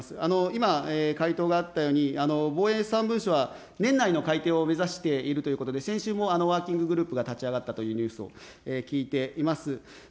今、回答があったように、防衛三文書は年内の改定を目指しているということでございまして、先週もワーキンググループが立ち上がったというニュースを聞いています。